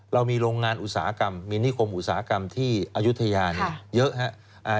เรามีโรงงานอุตสาหกรรมมีนิคมอุตสาหกรรมที่อายุทยาเยอะครับ